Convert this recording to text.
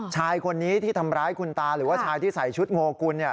ชายคนนี้ที่ทำร้ายคุณตาหรือว่าชายที่ใส่ชุดโงกุลเนี่ย